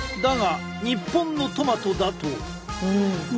だが日本のトマトだと。